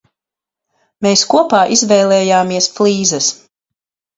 Mēs kopā izvēlējāmies flīzes.